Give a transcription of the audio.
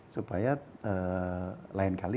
supaya lain kali